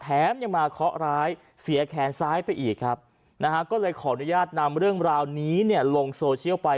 ยังมาเคาะร้ายเสียแขนซ้ายไปอีกครับนะฮะก็เลยขออนุญาตนำเรื่องราวนี้เนี่ยลงโซเชียลไป